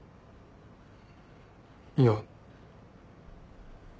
いや。